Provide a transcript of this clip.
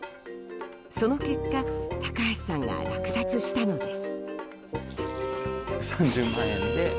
その結果、高橋さんが落札したのです。